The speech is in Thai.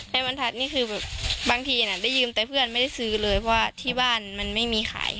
บรรทัศน์นี่คือแบบบางทีน่ะได้ยืมแต่เพื่อนไม่ได้ซื้อเลยเพราะว่าที่บ้านมันไม่มีขาย